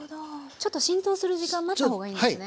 ちょっと浸透する時間待った方がいいんですね。